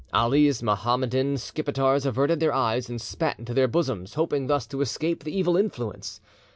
Ali's Mohammedan Skipetars averted their eyes, and spat into their bosoms, hoping thus to escape the evil influence.